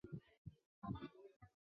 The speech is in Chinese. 博纳维尔阿普托。